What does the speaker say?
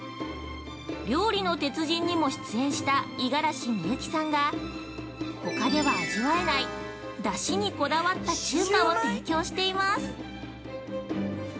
「料理の鉄人」にも出演した五十嵐美幸さんがほかでは味わえないだしにこだわった中華を提供しています。